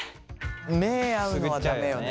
目合うのは駄目よね。